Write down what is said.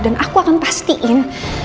dan aku akan pastiin